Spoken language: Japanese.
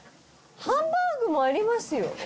ハンバーグもありますよ。